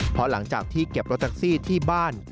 เพราะหลังจากที่เก็บรถแท็กซี่ที่บ้าน